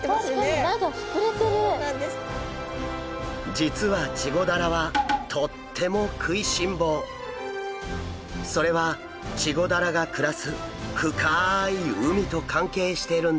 実はチゴダラはとってもそれはチゴダラが暮らす深い海と関係しているんです。